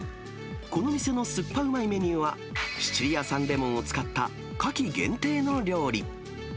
この店のすっぱうまいメニューは、シチリア産レモンを使った夏季限定の料理。